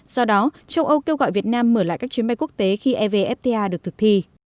do đó châu âu kêu gọi việt nam mở lại các chuyến bay quốc tế khi evfta được thực thi